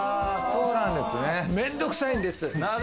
面倒くさいんです。